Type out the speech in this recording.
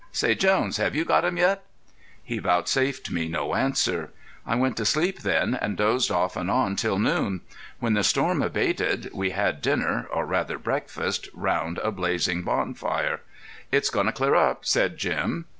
"Say Jones, have you got 'em yet?" He vouchsafed me no answer. I went to sleep then and dozed off and on till noon, when the storm abated. We had dinner, or rather breakfast, round a blazing bonfire. "It's going to clear up," said Jim.